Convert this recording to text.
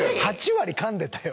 ８割かんでたよ。